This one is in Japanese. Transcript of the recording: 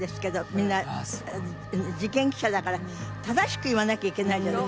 みんな事件記者だから正しく言わなきゃいけないじゃない。